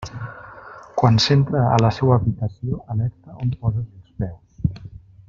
Quan s'entra a la seua habitació, alerta on poses els peus!